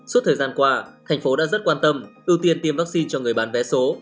suốt thời gian qua thành phố đã rất quan tâm ưu tiên tiêm vaccine cho người bán vé số